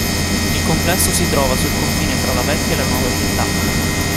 Il complesso si trova sul confine fra la vecchia e la nuova città.